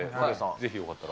ぜひよかったら。